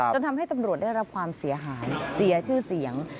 ทำให้ตำรวจได้รับความเสียหายเสียชื่อเสียง